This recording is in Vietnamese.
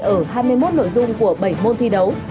ở hai mươi một nội dung của bảy môn thi đấu